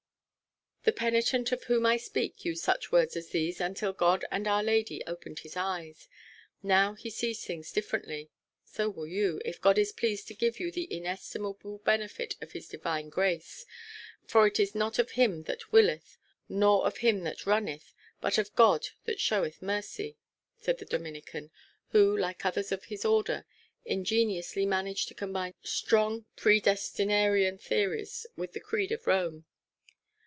"The penitent of whom I speak used such words as these, until God and Our Lady opened his eyes. Now he sees all things differently. So will you, if God is pleased to give you the inestimable benefit of his divine grace; for it is not of him that willeth, nor of him that runneth, but of God that showeth mercy," said the Dominican, who, like others of his order, ingeniously managed to combine strong predestinarian theories with the creed of Rome.